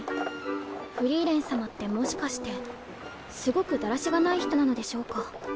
フリーレン様ってもしかしてすごくだらしがない人なのでしょうか？